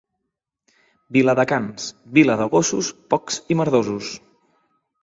Viladecans, vila de gossos, pocs i merdosos.